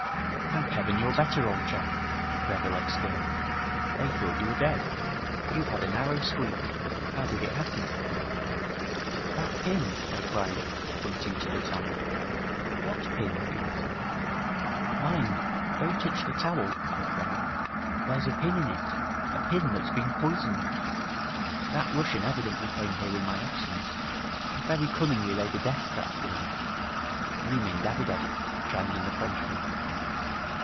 'Thank heaven you're better, old chap!' Greville exclaimed. 'They thought you were dead. You've had a narrow squeak. How did it happen?' 'That pin!' I cried, pointing to the towel. 'What pin?'he asked. 'Mind! don't touch the towel,' I cried. 'There's a pin in it a pin that's poisoned! That Russian evidently came here in my absence and very cunningly laid a deathtrap for me.' 'You mean Davidoff,' chimed in the Frenchman.